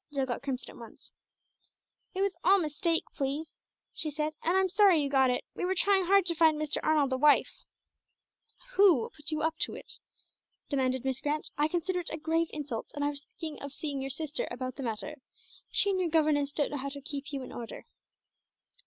Jill got crimson at once. "It was all a mistake, please," she said, "and I'm sorry you got it. We were trying hard to find Mr. Arnold a wife." "Who put you up to it?" demanded Miss Grant. "I consider it a grave insult, and I was thinking of seeing your sister about the matter. She and your governess don't know how to keep you in order."